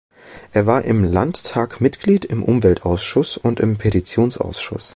Er war im Landtag Mitglied im Umweltausschuss und im Petitionsausschuss.